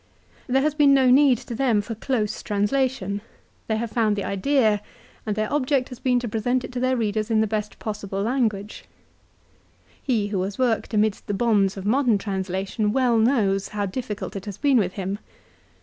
There has been no need to them for close translation. They have found the CICERO'S RHETORIC. 307 idea, and their object has been to present it to their readers in the best possible language. He who has worked amidst the bonds of modern translation well knows how different it has been with him.